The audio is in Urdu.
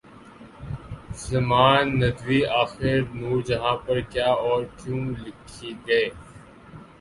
سلیمان ندوی آخر نورجہاں پر کیا اور کیوں لکھیں گے؟